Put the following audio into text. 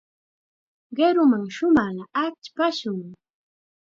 Qiruman shumaqlla achpashun.